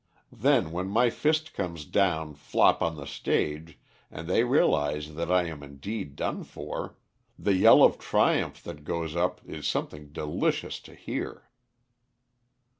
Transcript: Then when my fist comes down flop on the stage and they realise that I am indeed done for, the yell of triumph that goes up is something delicious to hear."